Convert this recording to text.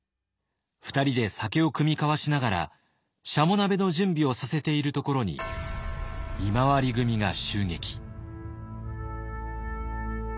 ２人で酒を酌み交わしながらしゃも鍋の準備をさせているところに見廻組が襲撃。